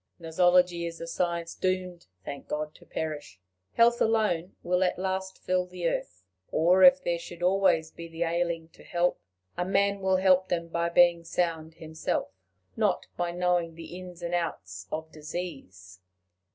Nosology is a science doomed, thank God, to perish! Health alone will at last fill the earth. Or, if there should be always the ailing to help, a man will help them by being sound himself, not by knowing the ins and outs of disease.